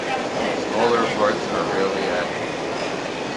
Smaller parts are rarely added.